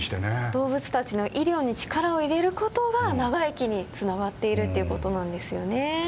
動物たちの医療に力を入れることが長生きにつながっているっていうことなんですよね。